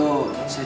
aku mau pergi